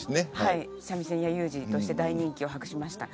三味線屋勇次として大人気を博しました。